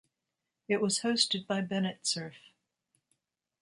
It was hosted by Bennett Cerf.